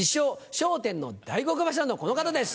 『笑点』の大黒柱のこの方です。